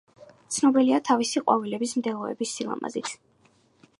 ცნობილია თავისი ყვავილების მდელოების სილამაზით.